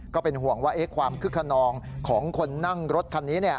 ก็เป็นห่วงว่าความคึกขนองของคนนั่งรถคันนี้